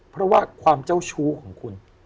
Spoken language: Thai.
เพราะว่าความเจ้าชู้ของคุณ